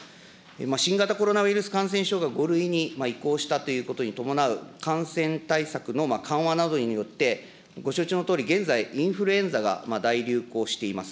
新型コロナウイルス感染症が５類に移行したということに伴う感染対策の緩和などによって、ご承知のとおり、現在、インフルエンザが大流行しています。